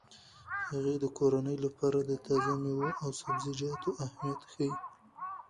هغې د کورنۍ لپاره د تازه میوو او سبزیجاتو اهمیت ښيي.